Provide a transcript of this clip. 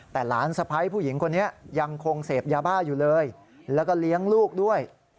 แต่หลานสะพ้ายผู้หญิงคนนี้ยังคงเสพยาบ้าอยู่เลยแล้วก็เลี้ยงลูกด้วย